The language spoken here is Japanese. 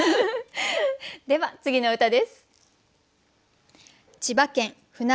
では次の歌です。